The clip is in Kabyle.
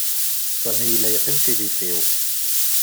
Sami yella yeqqim s idis-iw.